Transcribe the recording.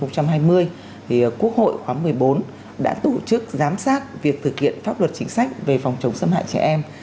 thì quốc hội khóa một mươi bốn đã tổ chức giám sát việc thực hiện pháp luật chính sách về phòng chống xâm hại trẻ em